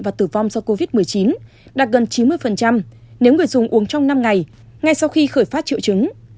và tử vong do covid một mươi chín đạt gần chín mươi nếu người dùng uống trong năm ngày ngay sau khi khởi phát triệu chứng